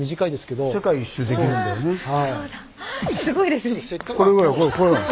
いいですね。